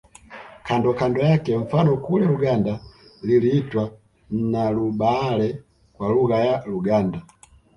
Kando kando yake mfano kule Uganda liliitwa Nnalubaale kwa lugha ya Luganda